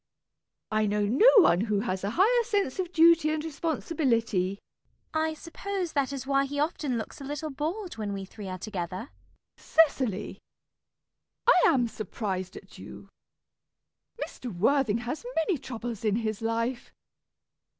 I know no one who has a higher sense of duty and responsibility. CECILY. I suppose that is why he often looks a little bored when we three are together. MISS PRISM. Cecily! I am surprised at you. Mr. Worthing has many troubles in his life.